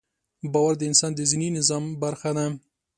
باور د انسان د ذهني نظام برخه ده.